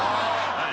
はい。